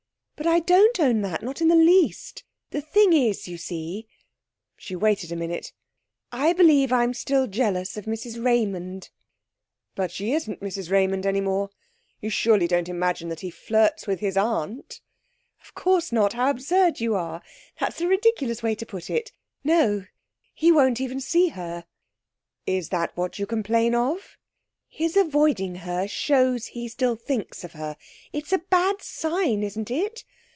'But I don't own that not in the least. The thing is, you see' she waited a minute 'I believe I'm still jealous of Mrs Raymond.' 'But she isn't Mrs Raymond any more. You surely don't imagine that he flirts with his aunt?' 'Of course not how absurd you are! That's a ridiculous way to put it. No he won't even see her.' 'Is that what you complain of?' 'His avoiding her shows he still thinks of her. It's a bad sign isn't it?